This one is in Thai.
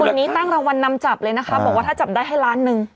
คนนี้ตั้งรางวัลนำจับเลยนะคะบอกว่าถ้าจับได้ให้ล้านหนึ่ง